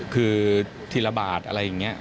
คือทีละบาทอะไรอย่างนี้